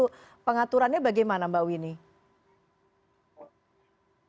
itu pengaturannya bagaimana mbak winnie